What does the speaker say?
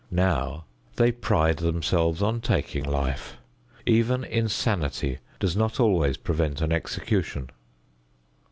Now they pride themselves on taking life. Even insanity does not always prevent an execution.